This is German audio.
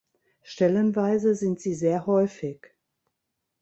Stellenweise sind sie sehr häufig.